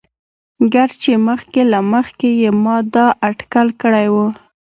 ګر چې مخکې له مخکې يې ما دا اتکل کړى وو.